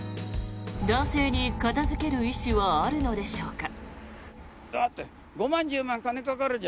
男性に片付ける意思はあるのでしょうか。